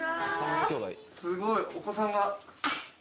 すごいお子さんが。